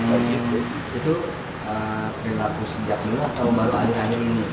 itu perilaku sejak dulu atau baru akhir akhir ini